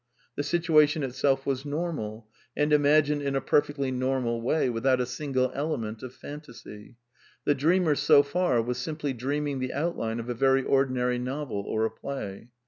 The situation itself was normal, and imagined in a perfectly normal way, without a single element of phantasy. The dreamer, so far, was simply dreaming the outline of a very ordinary novel or a play.